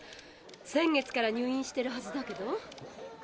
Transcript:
先月から入院してるはずだけど。